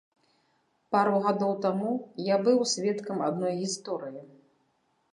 Пару гадоў таму я быў сведкам адной гісторыі.